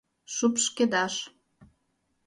Шупшкедаш